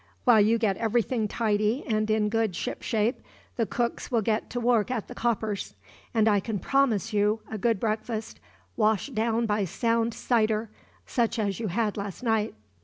While you get everything tidy and in good shipshape, the cooks will get to work at the coppers; and I can promise you a good breakfast, washed down by sound cider, such as you had last night."